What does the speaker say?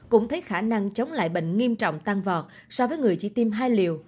cũng thấy khả năng chống lại bệnh nghiêm trọng tăng vọt so với người chỉ tiêm hai liều